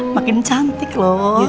makin cantik lo